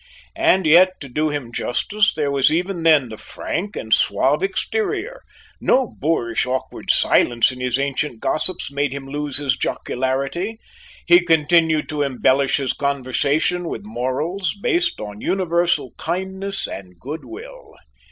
And yet, to do him justice, there was even then the frank and suave exterior; no boorish awkward silence in his ancient gossips made him lose his jocularity; he continued to embellish his conversation with morals based on universal kindness and goodwill.